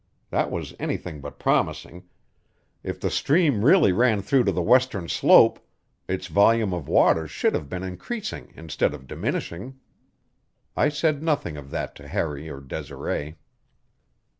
That was anything but promising; if the stream really ran through to the western slope, its volume of water should have been increasing instead of diminishing. I said nothing of that to Harry or Desiree.